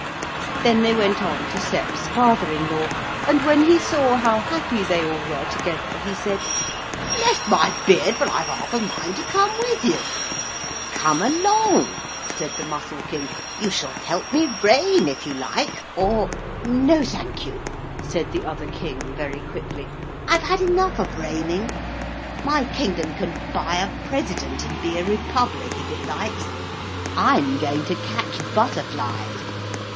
Then they went on to Sep's father in law, and when he saw how happy they all were together he said: 'Bless my beard but I've half a mind to come with you.' 'Come along,' said the Mussel King, 'you shall help me reign if you like ... or....' 'No, thank you,' said the other King very quickly, 'I've had enough of reigning. My kingdom can buy a President and be a republic if it likes. I'm going to catch butterflies.'